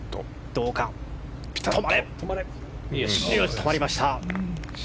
止まりました！